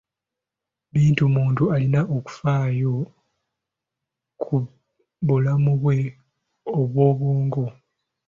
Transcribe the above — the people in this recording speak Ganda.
Buli muntu alina okufaayo ku bulamu bwe obw'obwongo.